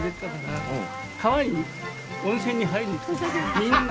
みんな。